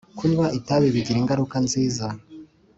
kunywa itabi bigira ingaruka nziza.